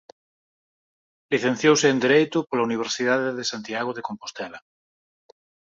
Licenciouse en dereito pola Universidade de Santiago de Compostela.